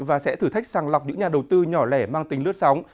và sẽ thử thách sàng lọc những nhà đầu tư nhỏ lẻ mang tính lướt sóng